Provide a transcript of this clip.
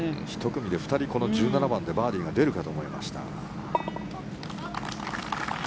１組で２人、この１７番でバーディーが出るかと思いました。